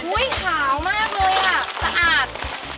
ขาวมากเลยอ่ะสะอาด